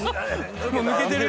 もう抜けてるよ。